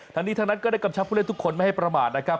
ทั้งนี้ทั้งนั้นก็ได้กำชับผู้เล่นทุกคนไม่ให้ประมาทนะครับ